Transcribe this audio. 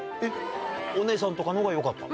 お姉さんとかのほうがよかった？